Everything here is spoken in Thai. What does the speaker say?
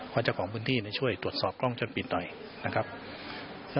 ก็จัดตอบความพื้นที่ผู้ช่วยตรวจสอบกล้องจนผิดหน่อย